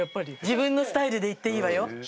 自分のスタイルでいっていいわよ。